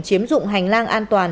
chiếm dụng hành lang an toàn